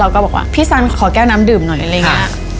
ก็บอกว่าพี่ซันขอแก้น้ำดื่มหน่อยอะไรอย่างนี้